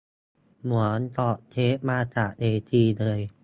เหมือนถอดเทปมาจากเวทีเลย